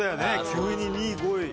急に２位５位。